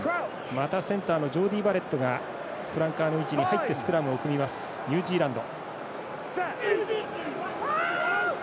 またセンターのジョーディー・バレットがフランカーの位置に入ってスクラムを組みますニュージーランド。